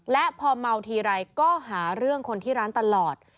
และพอเมาทีไรก็หาเรื่องคนที่ร้านตลอด